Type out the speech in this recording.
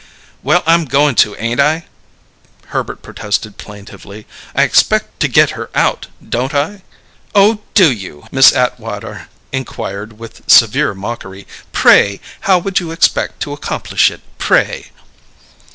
"Well, I'm goin' to, ain't I?" Herbert protested plaintively. "I expect to get her out, don't I?" "Oh, do you?" Miss Atwater inquired, with severe mockery. "Pray, how would you expect to accomplish it, pray?"